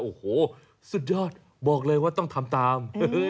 โอ้โหสุดยอดบอกเลยว่าต้องทำตาม